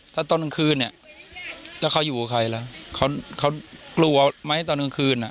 ถ้าตอนกลางคืนเนี่ยแล้วเขาอยู่กับใครล่ะเขากลัวไหมตอนกลางคืนอ่ะ